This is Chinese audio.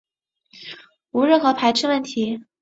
无任何排斥问题